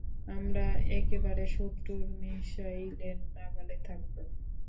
আমরা একেবারে শত্রুর মিশাইলের নাগালে থাকবো।